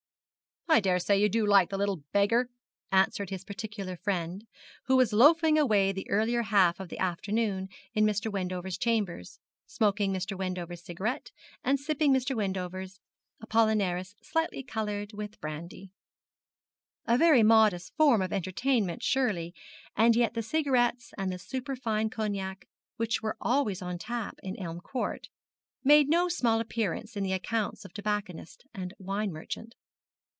'I daresay you do like the little beggar,' answered his particular friend, who was loafing away the earlier half of the afternoon in Mr. Wendover's chambers, smoking Mr. Wendover's cigarette, and sipping Mr. Wendover's Apollinaris slightly coloured with brandy a very modest form of entertainment surely, and yet the cigarettes and the superfine cognac, which were always on tap in Elm Court, made no small appearance in the accounts of tobacconist and wine merchant.